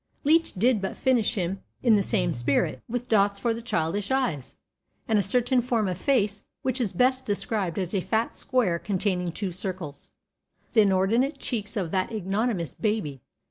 Leech did but finish him in the same spirit, with dots for the childish eyes, and a certain form of face which is best described as a fat square containing two circles the inordinate cheeks of that ignominious baby.